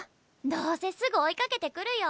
どうせすぐ追いかけてくるよ。